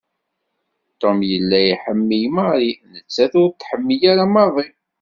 Tom yella iḥemmel Marie, nettat ur t-tḥemmel ara maḍi.